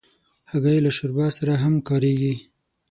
هګۍ له شوربا سره هم کارېږي.